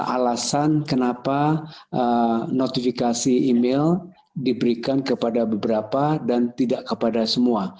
alasan kenapa notifikasi email diberikan kepada beberapa dan tidak kepada semua